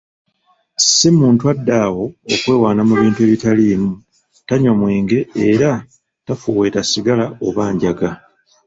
Si muntu adda awo okwewaana mu bintu ebitaliimu, tanywa mwenge era tafuweeta sigala oba njaga.